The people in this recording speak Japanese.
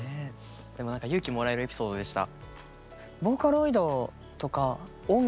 でも何か勇気もらえるエピソードでした。